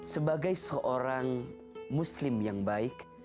sebagai seorang muslim yang baik